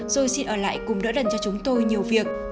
rồi xin ở lại cùng đỡ đần cho chúng tôi nhiều việc